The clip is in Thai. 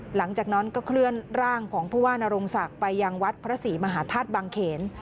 หลังจากนั้นก็เคลื่อนร่างของผู้ว่านรงศักดิ์ไปยังวัดพระศรีมหาธาตุบังเขน